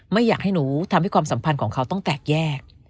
ไม่อยากให้หนูทำให้ความสัมพันธ์ของเขาต้องแตกแยก